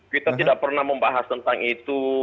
kita tidak pernah membahas tentang itu